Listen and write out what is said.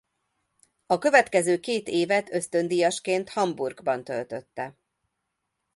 A következő két évet ösztöndíjasként Hamburgban töltötte.